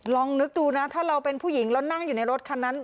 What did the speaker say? ลองนึกดูนะถ้าเราเป็นผู้หญิงแล้วนั่งอยู่ในรถคันนั้น